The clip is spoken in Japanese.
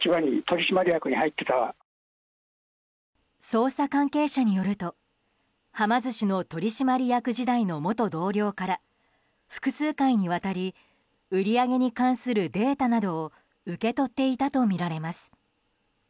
捜査関係者によるとはま寿司の取締役時代の元同僚から複数回にわたり売り上げに関するデータなどを受け取っていたとみられます。